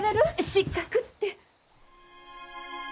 失格って。